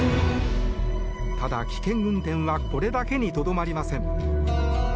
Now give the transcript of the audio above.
ただ、危険運転はこれだけにとどまりません。